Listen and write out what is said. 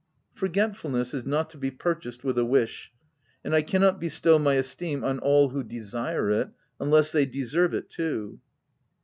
" Forgetfulness is not to be purchased with a wish ; and I cannot bestow my esteem on all who desire it, unless they deserve it too."